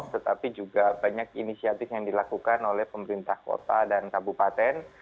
tetapi juga banyak inisiatif yang dilakukan oleh pemerintah kota dan kabupaten